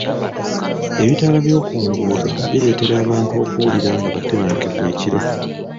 Ebitaala by'oku nguudo bireetera abantu okuwulira nga batebenkevu ekiro.